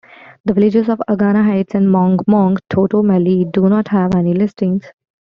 The villages of Agana Heights and Mongmong-Toto-Maite do not have any listings.